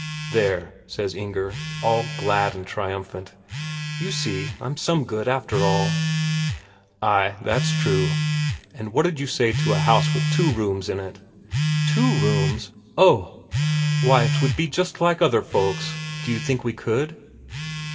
"There," says Inger, all glad and triumphant. "You see I'm some good after all." "Ay, that's true. And what'd you say to a house with two rooms in?" "Two rooms? Oh ...! Why, 'twould be just like other folks. Do you think we could?"